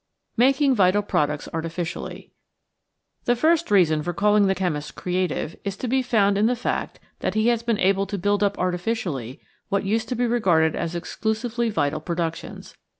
Making Vital Products Artificially The first reason for calling the chemist creative is to be found in the fact that he has been able to build up artificially what used to be regarded as exclusively vital productions.